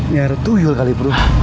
niara tuyul kali bro